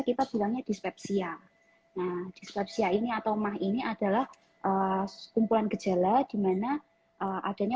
kita bilangnya dispepsia nah dispepsia ini atau mah ini adalah kumpulan gejala dimana adanya